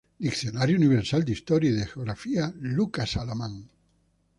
Diccionario universal de historia y de Geografía, Lucas Alamán